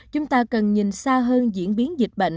chúng ta cần nhìn xa hơn diễn biến dịch bệnh